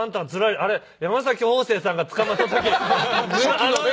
あれ、山崎邦正さんが捕まった時。